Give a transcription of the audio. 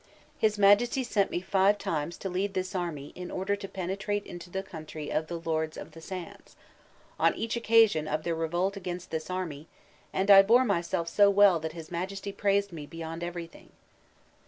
"His Majesty sent me five times to lead this army in order to penetrate into the country of the Lords of the Sands, on each occasion of their revolt against this army, and I bore myself so well that his Majesty praised me beyond everything."